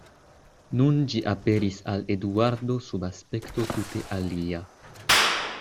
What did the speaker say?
Nun ĝi aperis al Eduardo sub aspekto tute alia.